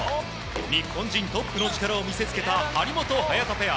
日本人トップの力を見せつけた張本、早田ペア。